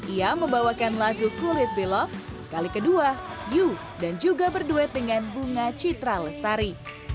ia membawakan lagu kulit belok kali kedua yu dan juga berduet dengan bunga citra lestari